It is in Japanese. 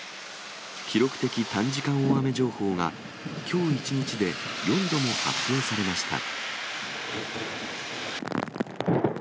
記録的短時間大雨情報が、きょう一日で４度も発表されました。